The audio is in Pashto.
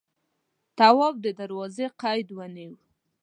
تواب د دروازې قید ونيو.